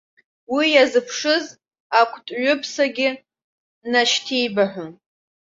Уа иазыԥшыз акәтҩыԥсагьы нашьҭеибаҳәон.